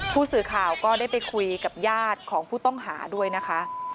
ผู้สื่อข่าวก็ได้ไปคุยกับญาติของผู้ต้องหาด้วยนะคะ